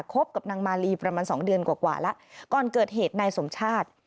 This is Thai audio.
กับนางมาลีประมาณสองเดือนกว่ากว่าแล้วก่อนเกิดเหตุนายสมชาติ